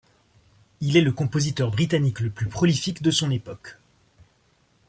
Il est le compositeur britannique le plus prolifique de son époque.